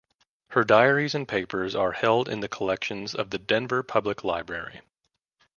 Her diaries and papers are held in the collections of the Denver Public Library.